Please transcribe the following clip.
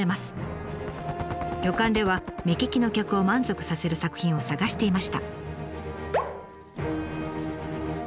旅館では目利きの客を満足させる作品を探していました。